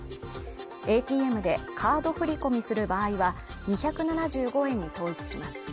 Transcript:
ＡＴＭでカード振り込みする場合は２７５円に統一します。